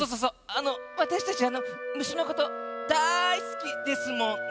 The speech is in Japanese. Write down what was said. あのわたしたち虫のことだいすきですもんね。